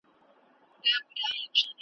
خو لستوڼي مو تل ډک وي له مارانو `